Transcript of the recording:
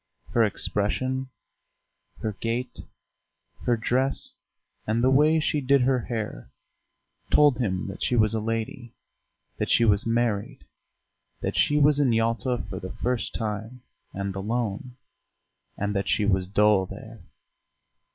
Her expression, her gait, her dress, and the way she did her hair told him that she was a lady, that she was married, that she was in Yalta for the first time and alone, and that she was dull there....